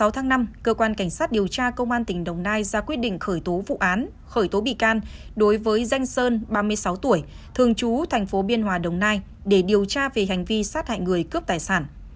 một mươi tháng năm cơ quan cảnh sát điều tra công an tỉnh đồng nai ra quyết định khởi tố vụ án khởi tố bị can đối với danh sơn ba mươi sáu tuổi thường trú thành phố biên hòa đồng nai để điều tra về hành vi sát hại người cướp tài sản